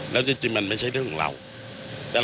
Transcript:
แล้วจริงมันไม่ใช่เรื่องของเรา